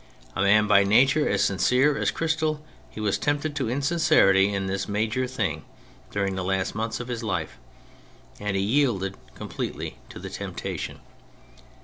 A man by nature as sincere as crystal, he was tempted to insincerity in this major thing, during the last months of his life, and he yielded completely to the temptation.